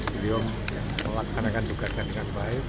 beliau melaksanakan tugasnya dengan baik